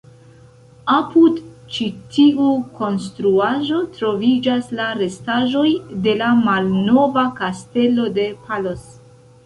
Apud ĉi tiu konstruaĵo, troviĝas la restaĵoj de la malnova kastelo de Palos.